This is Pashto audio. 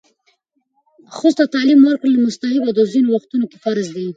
ښځو ته تعلیم ورکول مستحب او په ځینو وختونو کې فرض دی.